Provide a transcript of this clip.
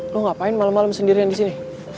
lo ngapain malem malem sendirian disini